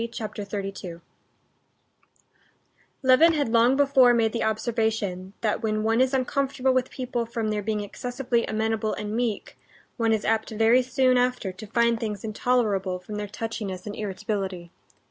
Chapter 32 Levin had long before made the observation that when one is uncomfortable with people from their being excessively amenable and meek, one is apt very soon after to find things intolerable from their touchiness and irritability.